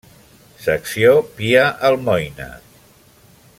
Secció Pia Almoina.